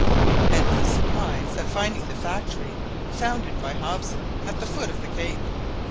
Hence the surprise at finding the factory founded by Hobson at the foot of the cape.